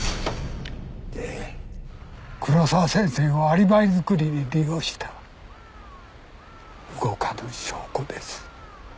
痛え黒沢先生をアリバイ作りに利用した動かぬ証拠です。